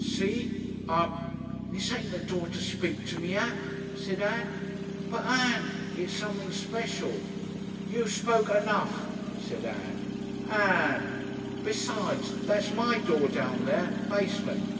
See? I'm " "This ain't the door to speak to me at," said Ann. "But, Ann! It's something special." "You spoke enough," said Ann. "Ann!" "Besides. That's my door, down there. Basement.